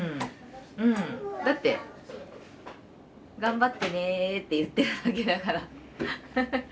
だって頑張ってねって言ってるだけだから。